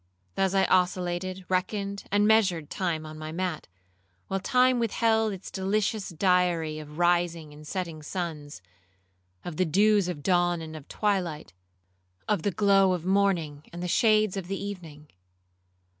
Thus I oscillated, reckoned, and measured time on my mat, while time withheld its delicious diary of rising and setting suns,—of the dews of dawn and of twilight,—of the glow of morning and the shades of the evening.